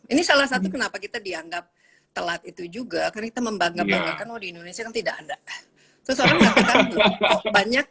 ini salah satu kenapa kita dianggap telat itu juga kita membangun indonesia tidak ada banyak